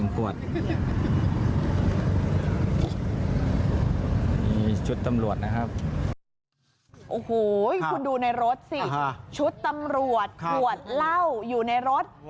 โอ้โหคุณดูในรถสิชุดตำรวจขวดเหล้าอยู่ในรถ